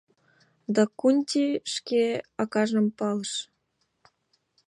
— Дакунти шке акажым палыш.